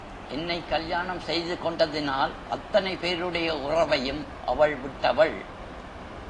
என்னை கல்யாணம் செய்து கொண்டதினால், அத்தனை பேருடைய உறவையும் அவள் விட்டவள்.